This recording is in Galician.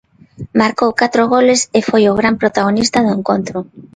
Marcou catro goles e foi a gran protagonista do encontro.